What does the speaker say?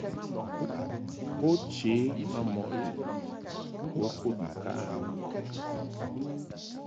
Bo che ma mɔʼ lɨʼ bo kud ŋka a.